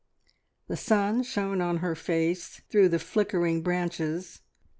The sun shone on her face through the flickering branches.